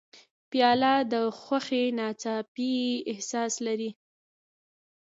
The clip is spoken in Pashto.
پیاله د خوښۍ ناڅاپي احساس لري.